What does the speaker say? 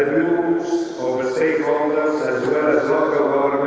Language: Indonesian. dan juga untuk membuatnya lebih berbahaya